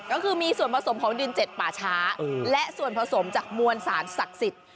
ก็คือมีส่วนผสมของดินเจ็ดป่าช้าและส่วนผสมจากมวลสารศักดิ์สิทธิ์